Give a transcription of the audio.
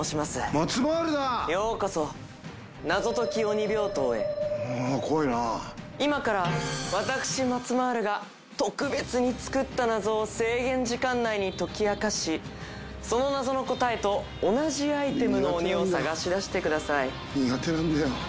マツマルだようこそ怖いな今から私マツマルが特別に作った謎を制限時間内に解き明かしその謎の答えと同じアイテムの鬼を探しだしてください苦手なんだよ